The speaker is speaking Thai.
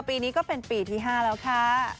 ปีนี้ก็เป็นปีที่๕แล้วค่ะ